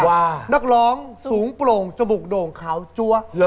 หุงปลงจมุกด่งเขาจั้ว